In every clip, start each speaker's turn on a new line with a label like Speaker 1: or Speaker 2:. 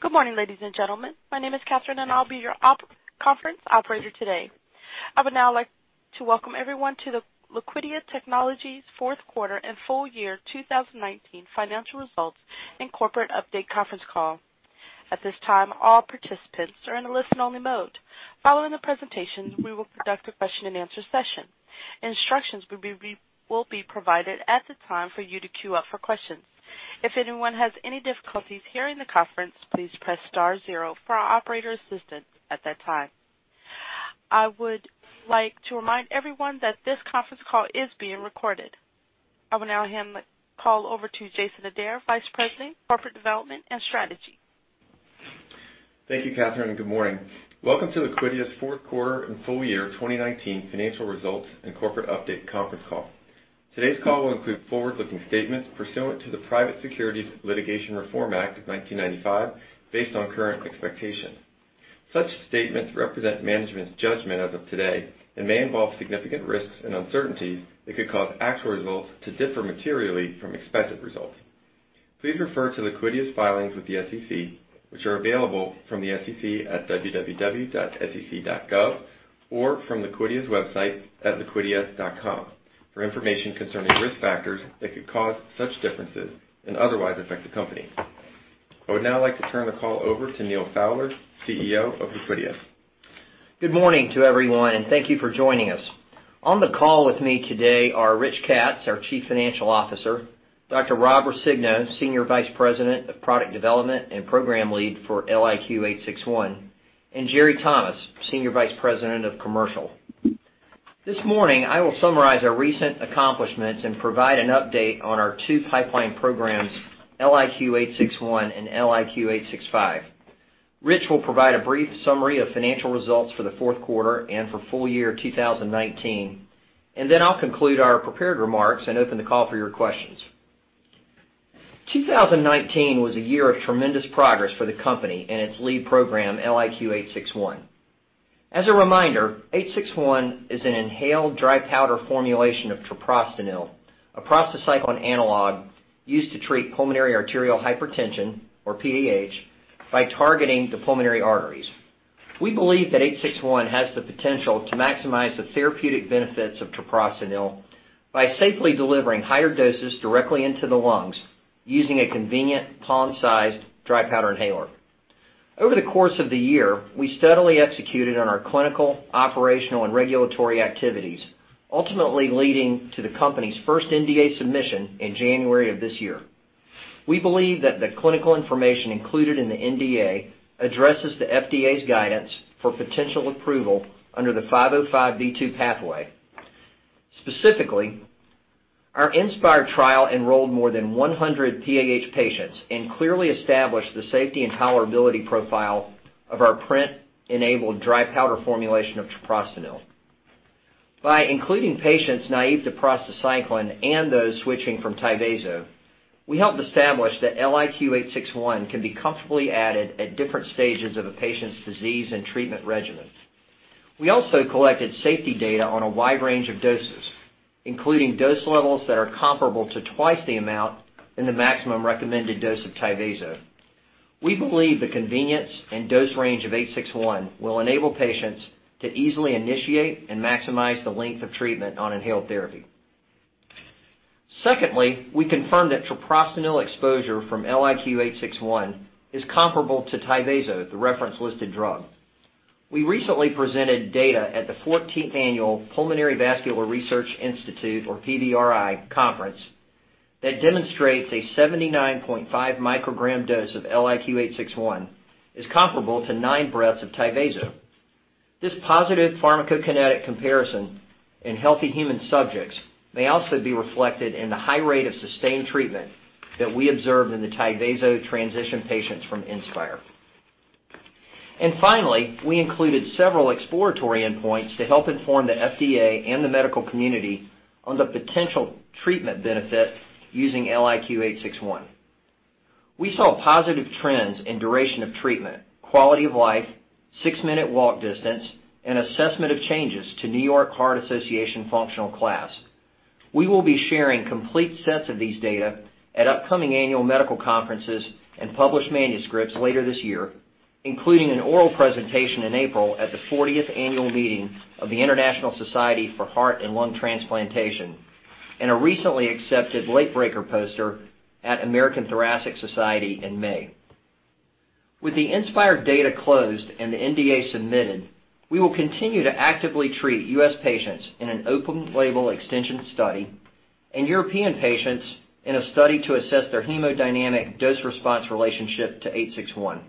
Speaker 1: Good morning, ladies and gentlemen. My name is Catherine, and I'll be your conference operator today. I would now like to welcome everyone to the Liquidia Technologies fourth quarter and full year 2019 financial results and corporate update conference call. At this time, all participants are in a listen-only mode. Following the presentation, we will conduct a question and answer session. Instructions will be provided at the time for you to queue up for questions. If anyone has any difficulties hearing the conference, please press star zero for operator assistance at that time. I would like to remind everyone that this conference call is being recorded. I will now hand the call over to Jason Adair, Vice President, Corporate Development and Strategy.
Speaker 2: Thank you, Catherine. Good morning. Welcome to Liquidia's fourth quarter and full year 2019 financial results and corporate update conference call. Today's call will include forward-looking statements pursuant to the Private Securities Litigation Reform Act of 1995, based on current expectations. Such statements represent management's judgment as of today and may involve significant risks and uncertainties that could cause actual results to differ materially from expected results. Please refer to Liquidia's filings with the SEC, which are available from the SEC at www.sec.gov or from Liquidia's website at liquidia.com for information concerning risk factors that could cause such differences and otherwise affect the company. I would now like to turn the call over to Neal Fowler, Chief Executive Officer of Liquidia.
Speaker 3: Good morning to everyone, and thank you for joining us. On the call with me today are Richard D. Katz, our Chief Financial Officer, Dr. Robert F. Roscigno, Senior Vice President of Product Development and program lead for LIQ861, and Jeri Thomas, Senior Vice President of Commercial. This morning, I will summarize our recent accomplishments and provide an update on our two pipeline programs, LIQ861 and LIQ865. Richard D. Katz will provide a brief summary of financial results for the fourth quarter and for full year 2019, and then I'll conclude our prepared remarks and open the call for your questions. 2019 was a year of tremendous progress for the company and its lead program, LIQ861. As a reminder, LIQ861 is an inhaled dry powder formulation of treprostinil, a prostacyclin analog used to treat pulmonary arterial hypertension, or PAH, by targeting the pulmonary arteries. We believe that LIQ861 has the potential to maximize the therapeutic benefits of treprostinil by safely delivering higher doses directly into the lungs using a convenient palm-sized dry powder inhaler. Over the course of the year, we steadily executed on our clinical, operational, and regulatory activities, ultimately leading to the company's first NDA submission in January of this year. We believe that the clinical information included in the NDA addresses the FDA's guidance for potential approval under the 505(b)(2) pathway. Specifically, our INSPIRE trial enrolled more than 100 PAH patients and clearly established the safety and tolerability profile of our PRINT-enabled dry powder formulation of treprostinil. By including patients naive to prostacyclin and those switching from TYVASO, we helped establish that LIQ861 can be comfortably added at different stages of a patient's disease and treatment regimen. We also collected safety data on a wide range of doses, including dose levels that are comparable to twice the amount in the maximum recommended dose of TYVASO. We believe the convenience and dose range of LIQ861 will enable patients to easily initiate and maximize the length of treatment on inhaled therapy. We confirmed that treprostinil exposure from LIQ861 is comparable to TYVASO, the reference listed drug. We recently presented data at the 14th Annual Pulmonary Vascular Research Institute, or PVRI conference that demonstrates a 79.5 microgram dose of LIQ861 is comparable to nine breaths of TYVASO. This positive pharmacokinetic comparison in healthy human subjects may also be reflected in the high rate of sustained treatment that we observed in the TYVASO transition patients from INSPIRE. Finally, we included several exploratory endpoints to help inform the FDA and the medical community on the potential treatment benefit using LIQ861. We saw positive trends in duration of treatment, quality of life, six-minute walk distance, and assessment of changes to New York Heart Association functional class. We will be sharing complete sets of these data at upcoming annual medical conferences and published manuscripts later this year, including an oral presentation in April at the 40th Annual Meeting of the International Society for Heart and Lung Transplantation, and a recently accepted late breaker poster at American Thoracic Society in May. With the INSPIRE data closed and the NDA submitted, we will continue to actively treat U.S. patients in an open-label extension study and European patients in a study to assess their hemodynamic dose response relationship to LIQ861.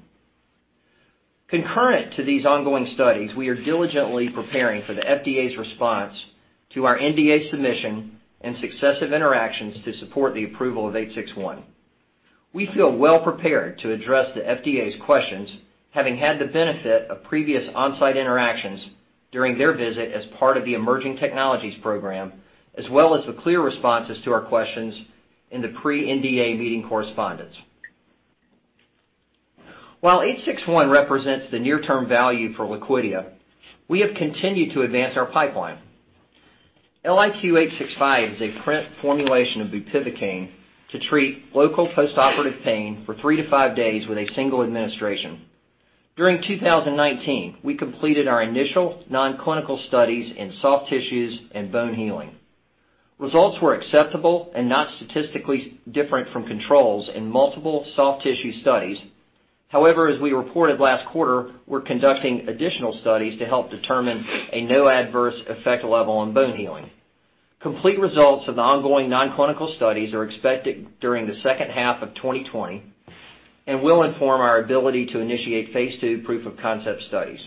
Speaker 3: Concurrent to these ongoing studies, we are diligently preparing for the FDA's response to our NDA submission and successive interactions to support the approval of LIQ861. We feel well prepared to address the FDA's questions, having had the benefit of previous on-site interactions during their visit as part of the Emerging Technology Program, as well as the clear responses to our questions in the pre-NDA meeting correspondence. While LIQ861 represents the near-term value for Liquidia, we have continued to advance our pipeline. LIQ865 is a PRINT formulation of bupivacaine to treat local postoperative pain for three to five days with a single administration. During 2019, we completed our initial non-clinical studies in soft tissues and bone healing. Results were acceptable and not statistically different from controls in multiple soft tissue studies. However, as we reported last quarter, we're conducting additional studies to help determine a no adverse effect level on bone healing. Complete results of the ongoing non-clinical studies are expected during the second half of 2020 and will inform our ability to initiate phase II proof of concept studies.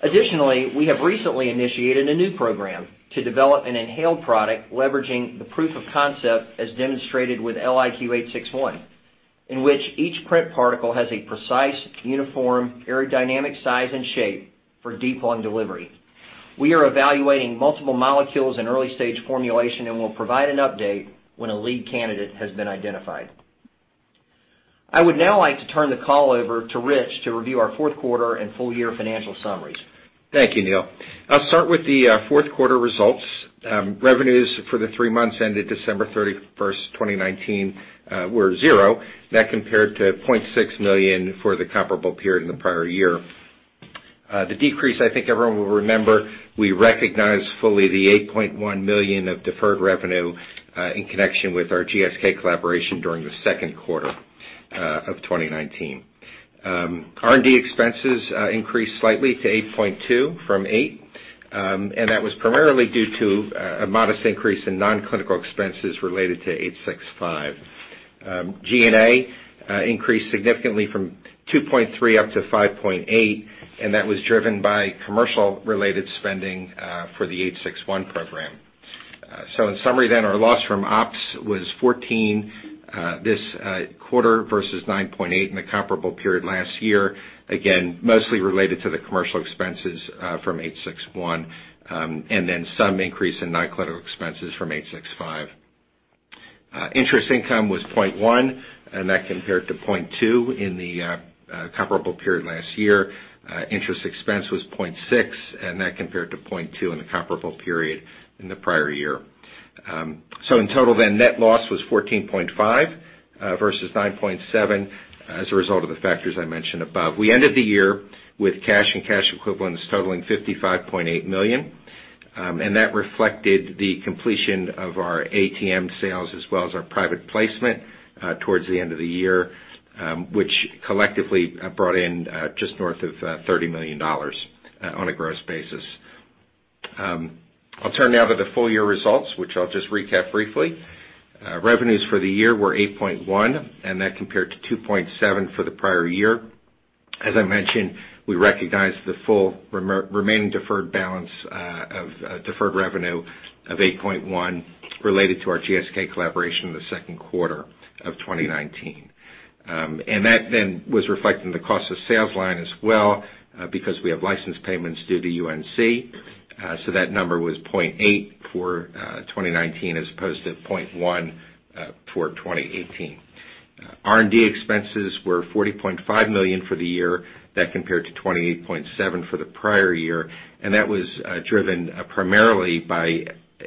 Speaker 3: Additionally, we have recently initiated a new program to develop an inhaled product leveraging the proof of concept as demonstrated with LIQ861, in which each PRINT particle has a precise, uniform aerodynamic size and shape for deep lung delivery. We are evaluating multiple molecules in early stage formulation and will provide an update when a lead candidate has been identified. I would now like to turn the call over to Richard D. Katz to review our fourth quarter and full year financial summaries.
Speaker 4: Thank you, Neal. I'll start with the fourth quarter results. Revenues for the three months ended December 31st, 2019, were $0. That compared to $0.6 million for the comparable period in the prior year. The decrease, I think everyone will remember, we recognized fully the $8.1 million of deferred revenue, in connection with our GSK collaboration during the second quarter of 2019. R&D expenses increased slightly to $8.2 from $8, and that was primarily due to a modest increase in non-clinical expenses related to 865. G&A increased significantly from $2.3 up to $5.8, and that was driven by commercial related spending for the LIQ861 program. In summary, our loss from ops was $14 this quarter versus $9.8 in the comparable period last year, again, mostly related to the commercial expenses from LIQ861, and then some increase in non-clinical expenses from LIQ865. Interest income was $0.1, compared to $0.2 in the comparable period last year. Interest expense was $0.6, compared to $0.2 in the comparable period in the prior year. In total, then, net loss was $14.5, versus $9.7 as a result of the factors I mentioned above. We ended the year with cash and cash equivalents totaling $55.8 million, reflected the completion of our ATM sales as well as our private placement towards the end of the year, which collectively brought in just north of $30 million on a gross basis. I'll turn now to the full year results, which I'll just recap briefly. Revenues for the year were $8.1, compared to $2.7 for the prior year. As I mentioned, we recognized the full remaining deferred balance of deferred revenue of $8.1 related to our GSK collaboration in the second quarter of 2019. That then was reflected in the cost of sales line as well, because we have license payments due to UNC, so that number was $0.8 for 2019 as opposed to $0.1 for 2018. R&D expenses were $40.5 million for the year. That compared to $28.7 for the prior year, and that was driven primarily by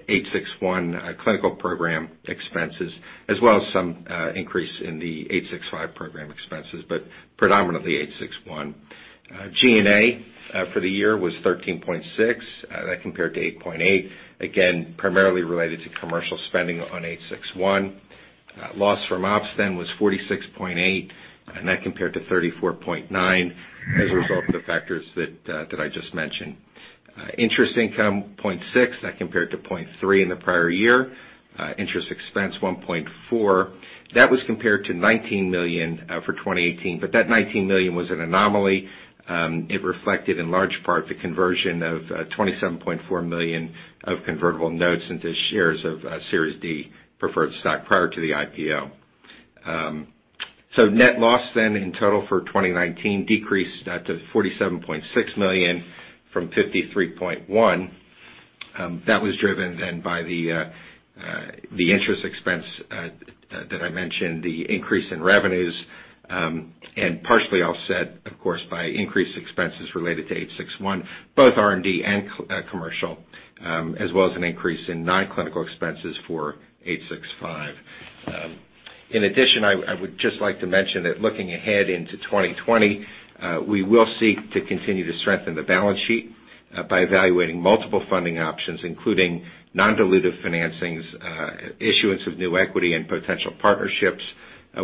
Speaker 4: LIQ861 clinical program expenses, as well as some increase in the LIQ865 program expenses, but predominantly LIQ861. G&A for the year was $13.6. That compared to $8.8, again, primarily related to commercial spending on LIQ861. Loss from OpEx then was $46.8, and that compared to $34.9 as a result of the factors that I just mentioned. Interest income, $0.6. That compared to $0.3 in the prior year. Interest expense, $1.4. That was compared to $19 million for 2018. That $19 million was an anomaly. It reflected in large part the conversion of $27.4 million of convertible notes into shares of Series D preferred stock prior to the IPO. Net loss then in total for 2019 decreased to $47.6 million from $53.1 million. That was driven then by the interest expense that I mentioned, the increase in revenues, and partially offset, of course, by increased expenses related to LIQ861, both R&D and commercial, as well as an increase in non-clinical expenses for LIQ865. In addition, I would just like to mention that looking ahead into 2020, we will seek to continue to strengthen the balance sheet by evaluating multiple funding options, including non-dilutive financings, issuance of new equity and potential partnerships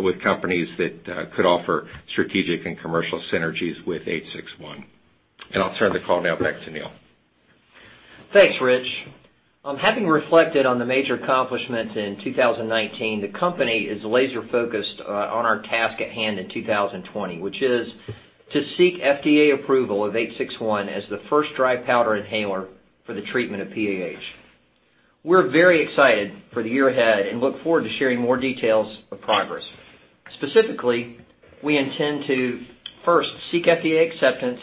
Speaker 4: with companies that could offer strategic and commercial synergies with LIQ861. I'll turn the call now back to Neal Fowler.
Speaker 3: Thanks, Rich. Having reflected on the major accomplishments in 2019, the company is laser focused on our task at hand in 2020, which is to seek FDA approval of LIQ861 as the first dry powder inhaler for the treatment of PAH. We're very excited for the year ahead and look forward to sharing more details of progress. Specifically, we intend to first seek FDA acceptance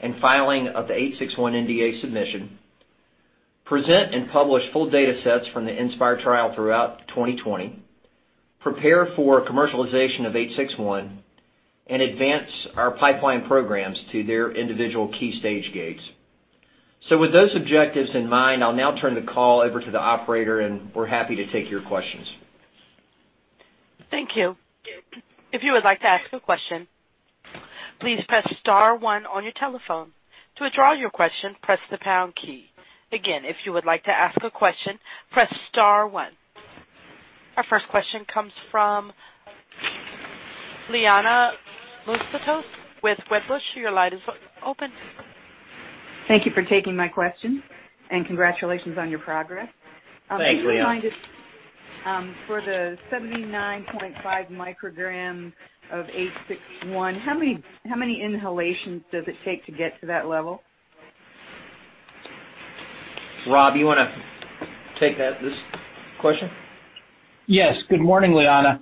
Speaker 3: and filing of the LIQ861 NDA submission, present and publish full data sets from the INSPIRE trial throughout 2020. Prepare for commercialization of LIQ861 and advance our pipeline programs to their individual key stage gates. With those objectives in mind, I'll now turn the call over to the operator, and we're happy to take your questions.
Speaker 1: Thank you. If you would like to ask a question, please press star one on your telephone. To withdraw your question, press the pound key. Again, if you would like to ask a question, press star one. Our first question comes from Liana Moussatos with Wedbush Securities. Your line is open.
Speaker 5: Thank you for taking my question, and congratulations on your progress.
Speaker 3: Thanks, Liana.
Speaker 5: If you don't mind, for the 79.5 micrograms of LIQ861, how many inhalations does it take to get to that level?
Speaker 3: Robert, you want to take this question?
Speaker 6: Yes. Good morning, Liana.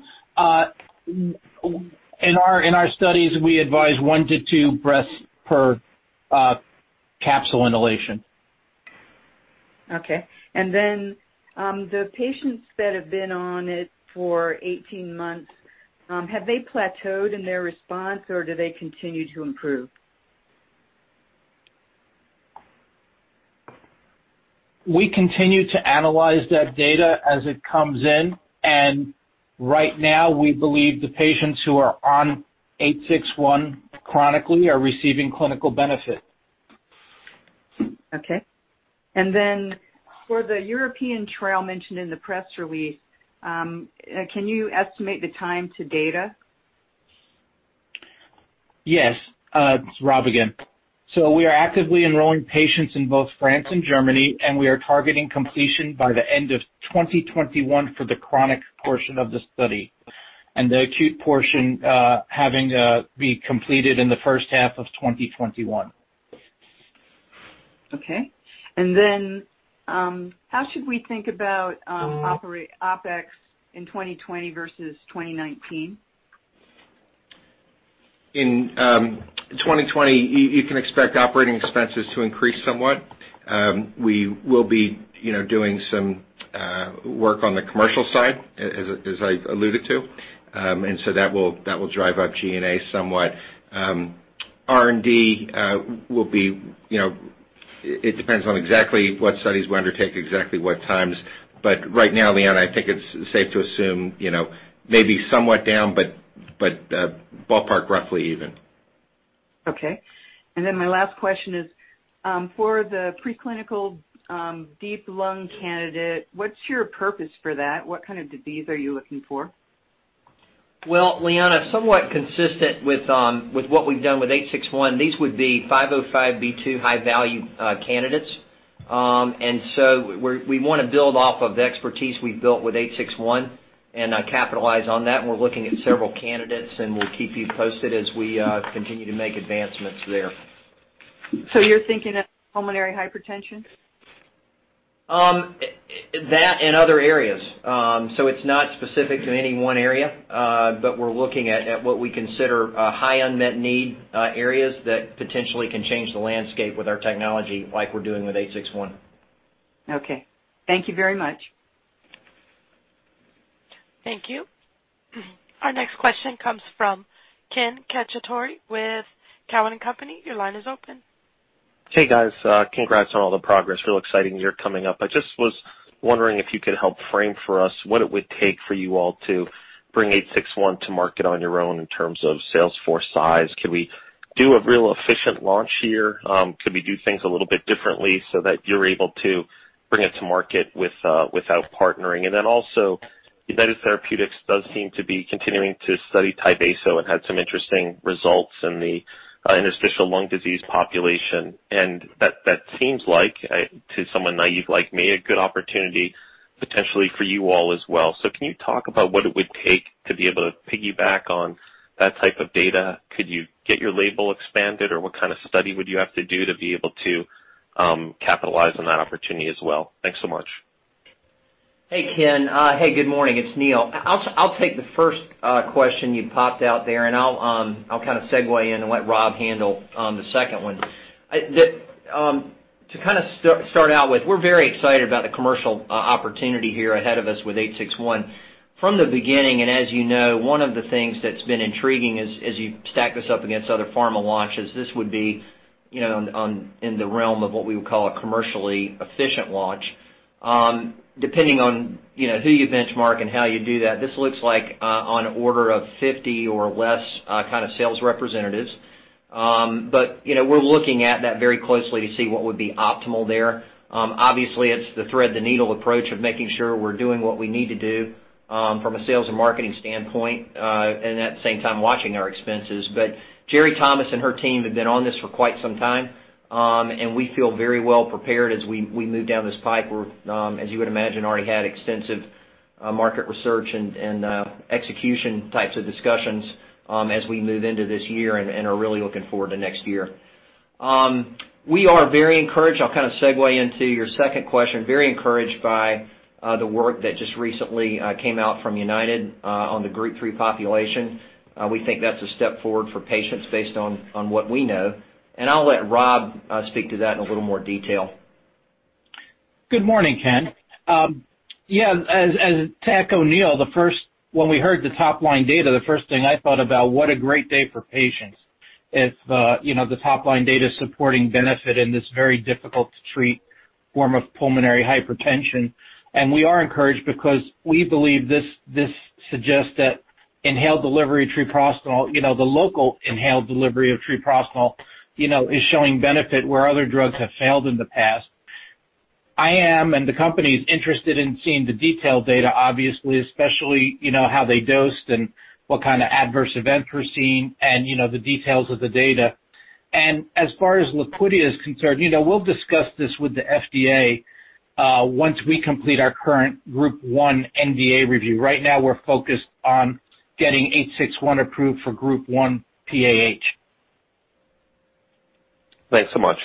Speaker 6: In our studies, we advise one to two breaths per capsule inhalation.
Speaker 5: Okay. The patients that have been on it for 18 months, have they plateaued in their response, or do they continue to improve?
Speaker 6: We continue to analyze that data as it comes in, and right now we believe the patients who are on LIQ861 chronically are receiving clinical benefit.
Speaker 5: Okay. For the European trial mentioned in the press release, can you estimate the time to data?
Speaker 6: Yes. It's Rob again. We are actively enrolling patients in both France and Germany, and we are targeting completion by the end of 2021 for the chronic portion of the study, and the acute portion having to be completed in the first half of 2021.
Speaker 5: Okay. How should we think about OpEx in 2020 versus 2019?
Speaker 4: In 2020, you can expect operating expenses to increase somewhat. We will be doing some work on the commercial side, as I alluded to. That will drive up G&A somewhat. R&D, it depends on exactly what studies we undertake, exactly what times. Right now, Liana, I think it's safe to assume maybe somewhat down, but ballpark roughly even.
Speaker 5: Okay. My last question is, for the preclinical deep lung candidate, what's your purpose for that? What kind of disease are you looking for?
Speaker 3: Well, Liana, somewhat consistent with what we've done with LIQ861, these would be 505(b)(2) high-value candidates. We want to build off of the expertise we've built with LIQ861 and capitalize on that, and we're looking at several candidates, and we'll keep you posted as we continue to make advancements there.
Speaker 5: You're thinking of pulmonary hypertension?
Speaker 3: That and other areas. It's not specific to any one area, but we're looking at what we consider high unmet need areas that potentially can change the landscape with our technology like we're doing with LIQ861.
Speaker 5: Okay. Thank you very much.
Speaker 1: Thank you. Our next question comes from Ken Cacciatore with Cowen and Company. Your line is open.
Speaker 7: Hey, guys. Congrats on all the progress. Real exciting year coming up. I just was wondering if you could help frame for us what it would take for you all to bring LIQ861 to market on your own in terms of sales force size. Can we do a real efficient launch here? Could we do things a little bit differently so that you're able to bring it to market without partnering? United Therapeutics does seem to be continuing to study TYVASO and had some interesting results in the interstitial lung disease population, and that seems like, to someone naive like me, a good opportunity potentially for you all as well. Can you talk about what it would take to be able to piggyback on that type of data? Could you get your label expanded? What kind of study would you have to do to be able to capitalize on that opportunity as well? Thanks so much.
Speaker 3: Hey, Ken. Hey, good morning. It's Neal. I'll take the first question you popped out there, and I'll kind of segue and let Rob handle the second one. To start out with, we're very excited about the commercial opportunity here ahead of us with LIQ861. From the beginning, and as you know, one of the things that's been intriguing as you stack this up against other pharma launches, this would be in the realm of what we would call a commercially efficient launch. Depending on who you benchmark and how you do that, this looks like on order of 50 or less kind of sales representatives. We're looking at that very closely to see what would be optimal there. Obviously, it's the thread-the-needle approach of making sure we're doing what we need to do from a sales and marketing standpoint, and at the same time watching our expenses. Jeri Thomas and her team have been on this for quite some time, and we feel very well prepared as we move down this pipe. We're, as you would imagine, already had extensive market research and execution types of discussions as we move into this year and are really looking forward to next year. We are very encouraged, I'll kind of segue into your second question, very encouraged by the work that just recently came out from United on the Group 3 population. We think that's a step forward for patients based on what we know, and I'll let Rob speak to that in a little more detail.
Speaker 6: Good morning, Ken. To echo Neal, when we heard the top-line data, the first thing I thought about, what a great day for patients. If the top-line data supporting benefit in this very difficult-to-treat form of pulmonary hypertension. We are encouraged because we believe this suggests that inhaled delivery treprostinil, the local inhaled delivery of treprostinil, is showing benefit where other drugs have failed in the past. I am, and the company is, interested in seeing the detailed data, obviously, especially how they dosed and what kind of adverse events we're seeing and the details of the data. As far as Liquidia is concerned, we'll discuss this with the FDA once we complete our current Group 1 NDA review. Right now, we're focused on getting LIQ861 approved for Group 1 PAH.
Speaker 7: Thanks so much.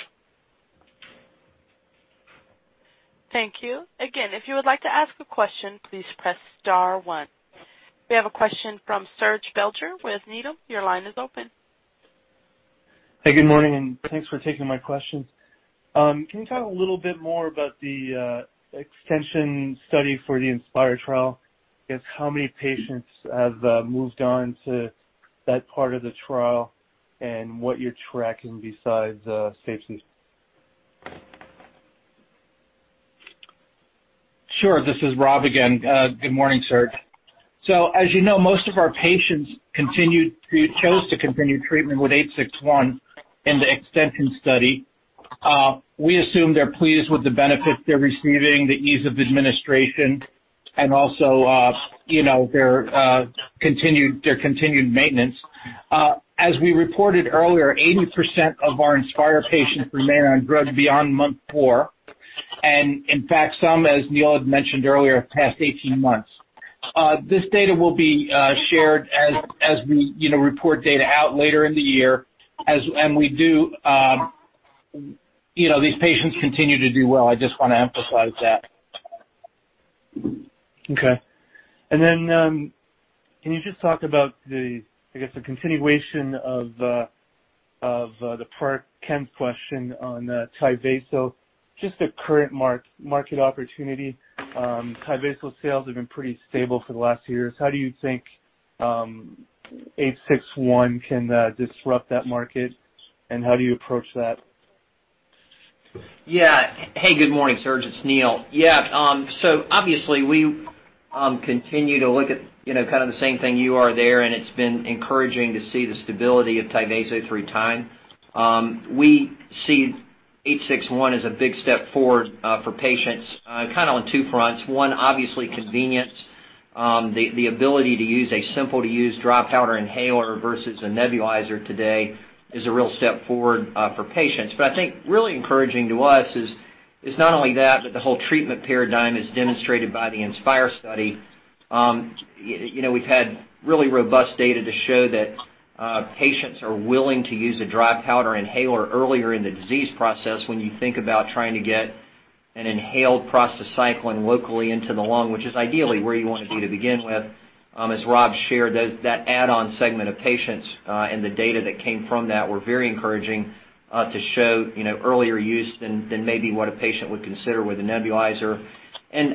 Speaker 1: Thank you. Again, if you would like to ask a question, please press star one. We have a question from Serge Belanger with Needham & Company. Your line is open.
Speaker 8: Hey, good morning, and thanks for taking my question. Can you talk a little bit more about the extension study for the INSPIRE trial? I guess how many patients have moved on to that part of the trial and what you're tracking besides safety?
Speaker 6: Sure. This is Robert again. Good morning, Serge. As you know, most of our patients chose to continue treatment with LIQ861 in the extension study. We assume they're pleased with the benefits they're receiving, the ease of administration, and also their continued maintenance. As we reported earlier, 80% of our INSPIRE patients remain on drug beyond month four. In fact, some, as Neal had mentioned earlier, past 18 months. This data will be shared as we report data out later in the year. These patients continue to do well, I just want to emphasize that.
Speaker 8: Okay. Can you just talk about the, I guess, the continuation of the part Ken questioned on TYVASO, just the current market opportunity. TYVASO sales have been pretty stable for the last few years. How do you think LIQ861 can disrupt that market, and how do you approach that?
Speaker 3: Hey, good morning, Serge. It's Neal. Obviously we continue to look at kind of the same thing you are there, and it's been encouraging to see the stability of TYVASO through time. We see LIQ861 as a big step forward for patients on two fronts. One, obviously convenience. The ability to use a simple-to-use dry powder inhaler versus a nebulizer today is a real step forward for patients. I think really encouraging to us is not only that, but the whole treatment paradigm is demonstrated by the INSPIRE study. We've had really robust data to show that patients are willing to use a dry powder inhaler earlier in the disease process when you think about trying to get an inhaled prostacyclin locally into the lung, which is ideally where you want to be to begin with. As Rob shared, that add-on segment of patients and the data that came from that were very encouraging to show earlier use than maybe what a patient would consider with a nebulizer.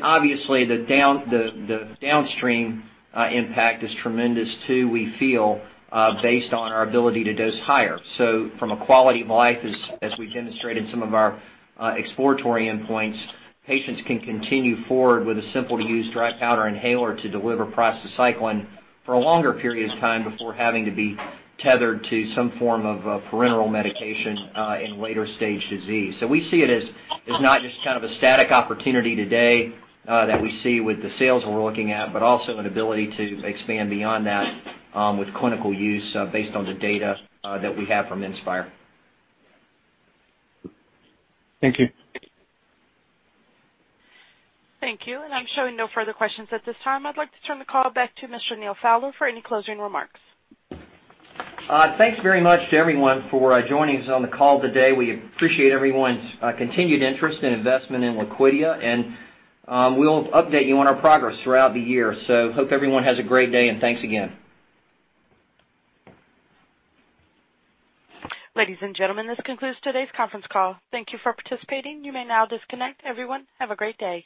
Speaker 3: Obviously the downstream impact is tremendous too, we feel, based on our ability to dose higher. From a quality of life, as we demonstrated some of our exploratory endpoints, patients can continue forward with a simple-to-use dry powder inhaler to deliver prostacyclin for longer periods of time before having to be tethered to some form of parenteral medication in later stage disease. We see it as not just kind of a static opportunity today that we see with the sales that we're looking at, but also an ability to expand beyond that with clinical use based on the data that we have from INSPIRE.
Speaker 8: Thank you.
Speaker 1: Thank you. I'm showing no further questions at this time. I'd like to turn the call back to Mr. Neal Fowler for any closing remarks.
Speaker 3: Thanks very much to everyone for joining us on the call today. We appreciate everyone's continued interest and investment in Liquidia, and we will update you on our progress throughout the year. Hope everyone has a great day, and thanks again.
Speaker 1: Ladies and gentlemen, this concludes today's conference call. Thank you for participating. You may now disconnect. Everyone, have a great day.